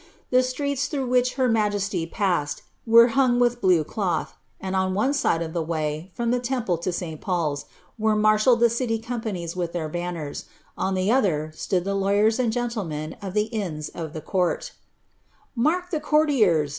The streets, through which her i passed, were hung with blue cloth ; and on one side of the wa' Ihe Temple to St. Paul's, were marshalled the city companies wil bantiers ; on the other, stood the lawyers and geuilemen of the i "Mark the courtiers!"